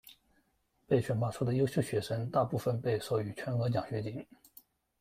被选拔出的优秀学生大部分被授予全额奖学金。